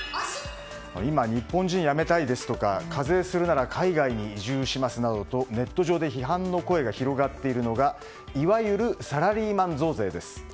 今、日本人辞めたいですとか課税するなら海外に移住しますなどとネット上で批判の声が広がっているのがいわゆるサラリーマン増税です。